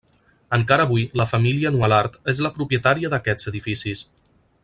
Encara avui la família Nualart és la propietària d'aquests edificis.